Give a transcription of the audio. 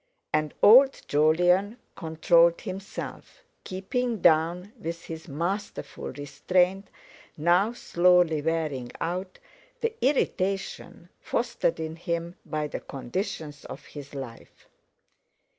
And old Jolyon controlled himself, keeping down, with his masterful restraint now slowly wearing out, the irritation fostered in him by the conditions of his life.